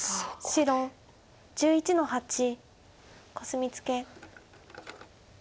白１１の八コスミツケ。